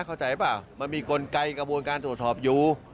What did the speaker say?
เข้าใจเปล่ามันมีกลไกกระบวนการตรวจสอบอยู่